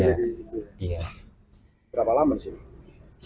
pada waktu mana sudah di bengkel cuci